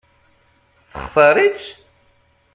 Textaṛ-itt?